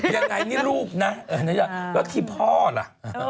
ยังไงนี่ลูกนะแล้วที่พ่อล่ะ